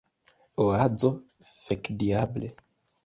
Oazo: "Fekdiable!"